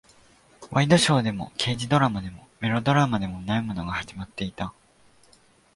ワイドショーでも、刑事ドラマでも、メロドラマでもないものが始まっていた。